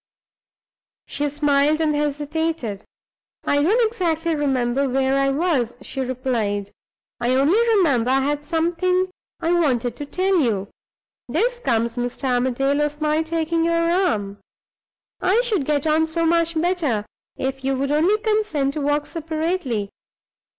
She smiled and hesitated. "I don't exactly remember where I was," she replied, "I only remember I had something I wanted to tell you. This comes, Mr. Armadale, of my taking your arm. I should get on so much better, if you would only consent to walk separately.